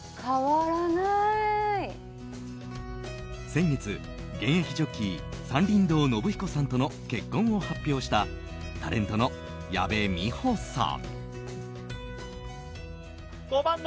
先月、現役ジョッキー山林堂信彦さんとの結婚を発表したタレントの矢部美穂さん。